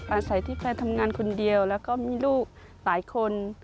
อาศัยที่แฟนทำงานคนเดียวแล้วก็มีลูกหลายคน